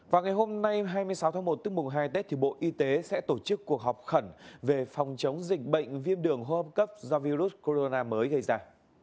và ngày hôm nay hai mươi sáu tháng một tức mùng hai tết thì bộ y tế sẽ tổ chức cuộc họp khẩn về phòng chống dịch bệnh viêm đường hô hấp cấp do virus corona mới gây ra